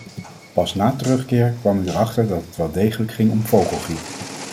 Pas na terugkeer kwam u erachter dat het wel degelijk ging om vogelgriep.